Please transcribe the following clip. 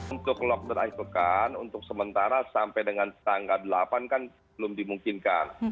untuk lockdown akhir pekan untuk sementara sampai dengan tanggal delapan kan belum dimungkinkan